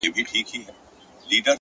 دا چي د سونډو د خـندا لـه دره ولـويــږي.